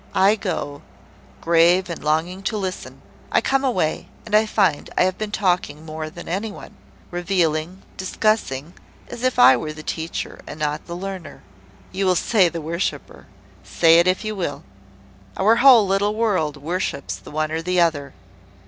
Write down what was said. I go, grave and longing to listen; I come away, and I find I have been talking more than any one; revealing, discussing, as if I were the teacher and not the learner, you will say the worshipper. Say it if you will. Our whole little world worships the one or the other.